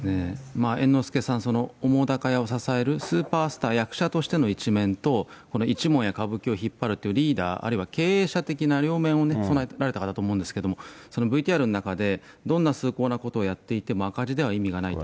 まあ猿之助さん、澤瀉屋を支えるスーパースター、役者としての一面と、この一門や、歌舞伎を引っ張るリーダー、あるいは経営者的な両面をね、備えられた方だと思うんですけど、そのＶＴＲの中で、どんな崇高なことをやっていても赤字では意味がないって。